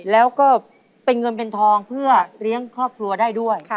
แล้วก็เป็นเงินเป็นทองเพื่อเลี้ยงครอบครัวได้ด้วย